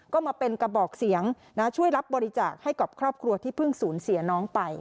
ก็มาเป็นกระบอกเสียงช่วยรับบริจาคให้กับครอบครัวที่เพิ่งสูญเสียน้องไป